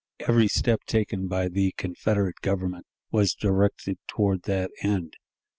Every step taken by the Confederate Government was directed toward that end.